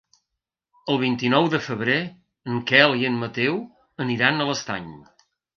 El vint-i-nou de febrer en Quel i en Mateu aniran a l'Estany.